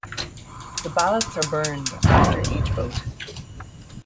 The ballots are burned after each vote.